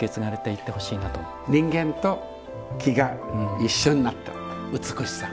人間と木が一緒になった美しさ。